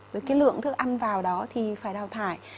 với cái lượng thức ăn vào đó thì phải đào thải